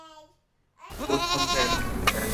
اور ہم ہیں۔